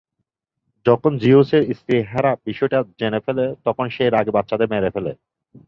যখন জিউসের স্ত্রী হেরা বিষয়টা জেনে ফেলে তখন সে রাগে বাচ্চাদের মেরে ফেলে।